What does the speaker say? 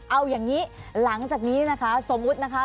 เอาอย่างนี้หลังจากนี้นะคะ